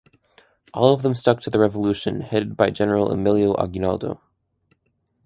All of them stuck to the revolution headed by General Emilio Aguinaldo.